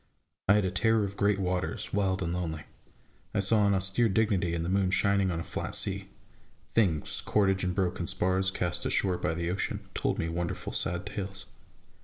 I had a terror of great waters, wild and lonely ; I saw an austere dignity in the moon shining on a flat sea; things, cordage and broken spars, cast ashore by the ocean, told me wonderful, sad tales.